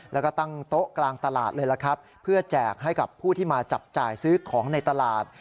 แล้วก็ตั้งโต๊ะกลางตลาดเลยล่ะครับเพื่อแจกให้กับผู้ที่มาจับจ่ายซื้อของในตลาด